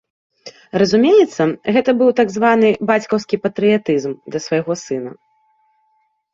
Разумеецца, гэта быў так званы бацькаўскі патрыятызм да свайго сына.